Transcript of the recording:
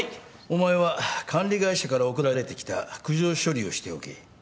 お前は管理会社から送られてきた苦情処理をしておけ。